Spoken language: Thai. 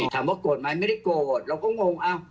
ถามว่ากดไหมไม่ได้กดเราก็งง